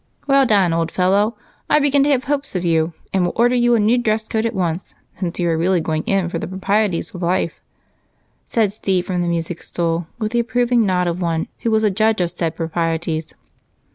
"Well done, old fellow. I begin to have hopes of you and will order you a new dress coat at once, since you are really going in for the proprieties of life," said Steve from the music stool, with the approving nod of one who was a judge of said proprieties.